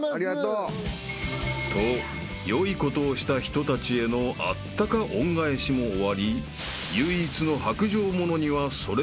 ［と良いことをした人たちへのあったか恩返しも終わり唯一の］